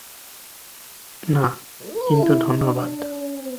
না, কিন্তু ধন্যবাদ।